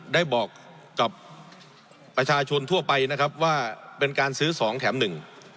ได้บอกกับประชาชนทั่วไปนะครับว่าเป็นการซื้อสองแถมหนึ่ง